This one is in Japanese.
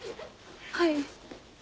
はい。